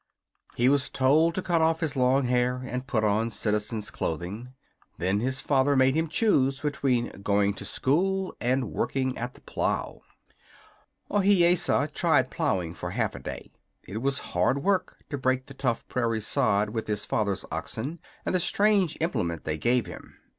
He was told to cut off his long hair and put on citizen's clothing. Then his father made him choose between going to school and working at the plow. Ohiyesa tried plowing for half a day. It was hard work to break the tough prairie sod with his father's oxen and the strange implement they gave him.